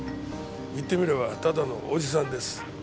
言ってみればただのおじさんです。